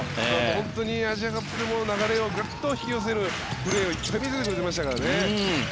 本当にアジアカップでも流れをグッと引き寄せるプレーを見せてくれましたからね。